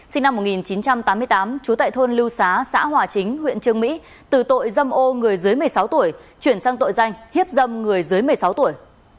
sinh năm một nghìn chín trăm tám mươi tám trú tại thôn lưu xá xã hòa chính huyện trương mỹ từ tội dâm ô người dưới một mươi sáu tuổi chuyển sang tội danh hiếp dâm người dưới một mươi sáu tuổi